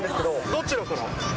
どちらから？